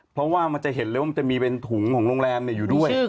เพราะว่ามันจะเห็นเลยว่ามันจะมีเป็นถุงของโรงแรมอยู่ด้วย